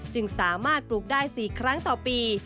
จึงสามารถปลูกได้๔ครั้งต่อปี